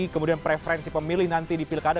kemudian preferensi pemilih nanti di pilkada